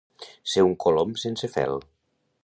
Ser un colom sense fel.